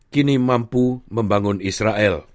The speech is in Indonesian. kini mampu membangun israel